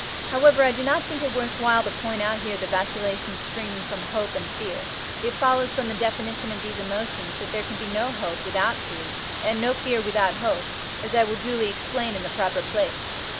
However, I do not think it worth while to point out here the vacillations springing from hope and fear; it follows from the definition of these emotions, that there can be no hope without fear, and no fear without hope, as I will duly explain in the proper place.